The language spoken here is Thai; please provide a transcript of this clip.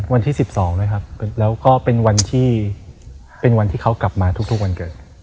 วันที่สิบสองเลยครับแล้วก็เป็นวันที่เขากลับมาทุกทุกวันเกิด